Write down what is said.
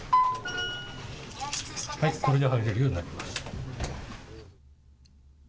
これで入れるようになります。